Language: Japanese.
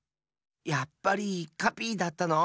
やっぱりカピイだったの？